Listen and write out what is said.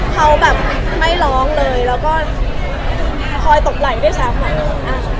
เขาแบบไม่ร้องเลยแล้วก็คอยตกไหลพี่แชงตลอด